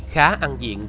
khá ăn diện